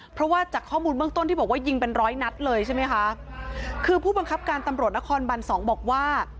เพราะว่าจากข้อมูลเบื้องต้นที่บอกว่ายิงเป็นร้อยนัดเลยใช่ไหมคะคือผู้บังคับการตำรวจนครบันสองบอกว่า